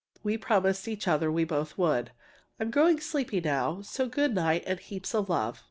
We promised each other we both would. I'm growing sleepy now, so good night and heaps of love.